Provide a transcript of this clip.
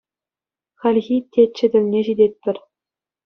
Хальхи Теччӗ тӗлне ҫитетпӗр.